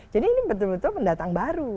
jadi ini betul betul pendatang baru